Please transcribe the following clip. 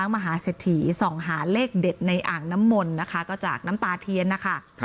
มหาเศรษฐีส่องหาเลขเด็ดในอ่างน้ำมนต์นะคะก็จากน้ำตาเทียนนะคะ